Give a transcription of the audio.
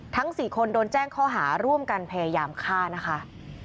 ทั้ง๔คนโดนแจ้งข้อหาร่วมกันพยายามฆ่านะคะ